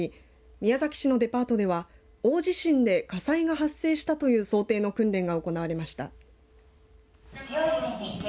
宮崎市のデパートでは大地震で火災が発生したという想定の訓練が行われました。